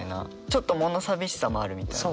ちょっと物寂しさもあるみたいな。